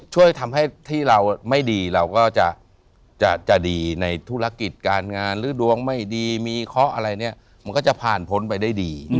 ช่วยทำให้ที่เราไม่ดีเราก็จะดีในธุรกิจการงานหรือดวงไม่ดีมีเคาะอะไรเนี่ยมันก็จะผ่านพ้นไปได้ดี